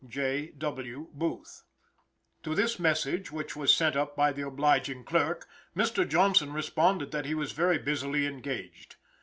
J. W. Booth. To this message, which was sent up by the obliging clerk, Mr. Johnson responded that he was very busily engaged.